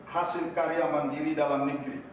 hasil karya mandiri dalam negeri